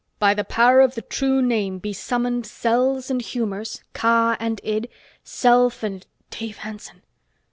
By the power of the true name be summoned cells and humors, ka and id, self and " Dave Hanson!